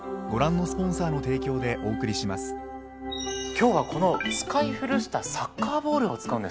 今日はこの使い古したサッカーボールを使うんですね。